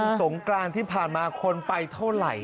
สงกรานที่ผ่านมาคนไปเท่าไหร่